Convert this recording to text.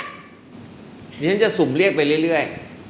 ฉันจะสุ่มเรียกไปเรื่อย